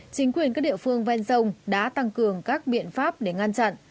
chính quyền các địa phương ven sông đã tăng cường các biện pháp để ngăn chặn